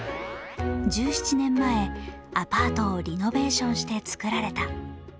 １７年前、アパートをリノベーションして作られた。